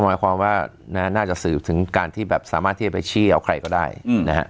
หมายความว่าน่าจะสืบถึงการที่แบบสามารถที่จะไปชี้เอาใครก็ได้นะฮะ